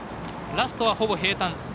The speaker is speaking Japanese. ラストはほぼ平たん。